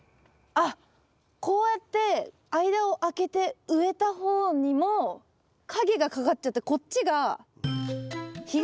あっこうやって間を空けて植えた方にも影がかかっちゃってこっちが日が当たらないんだ。